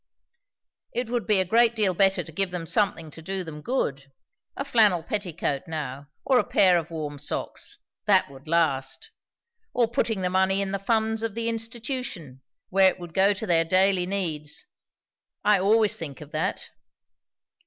"It would be a great deal better to give them something to do them good; a flannel petticoat, now, or a pair of warm socks. That would last. Or putting the money in the funds of the Institution, where it would go to their daily needs. I always think of that."